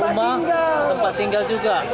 rumah tempat tinggal juga